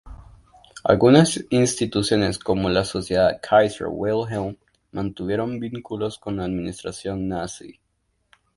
Algunas instituciones como la Sociedad Kaiser Wilhelm mantuvieron vínculos con la administración nazi.